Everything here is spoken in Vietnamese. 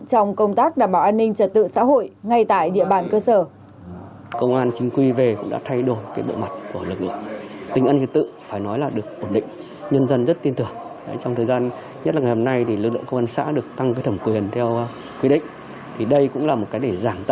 trong công tác đảm bảo an toàn